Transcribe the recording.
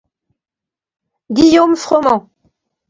Guillaume Froment!